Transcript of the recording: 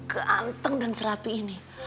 ganteng dan serapi ini